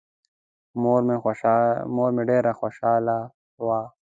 مور مې ډېره خوشحاله وه.